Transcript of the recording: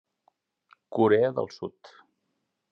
Corea del Sud.